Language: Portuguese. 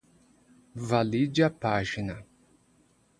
valide a página